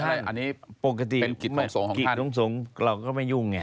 อันนี้เป็นกิสทงสงของท่านปกติกิตทงสงเราก็ไม่ยุ่งเนี่ย